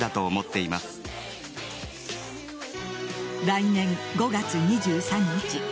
来年５月２３日。